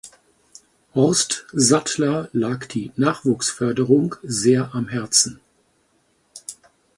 Horst Sattler lag die Nachwuchsförderung sehr am Herzen.